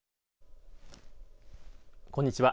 こんにちは。